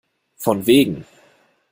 Von wegen!